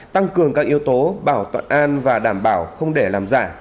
tăng cường các yếu tố bảo thuận an và đảm bảo không để làm giả